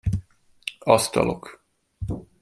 Asztalok.